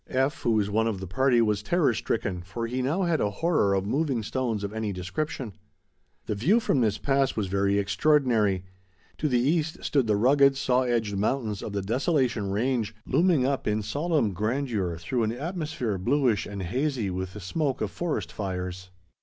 F., who was one of the party, was terror stricken, for he now had a horror of moving stones of any description. The view from this pass was very extraordinary. To the east stood the rugged, saw edged mountains of the Desolation Range, looming up in solemn grandeur through an atmosphere bluish and hazy with the smoke of forest fires.